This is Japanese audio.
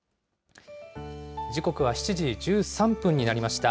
時刻は７時１３分になりました。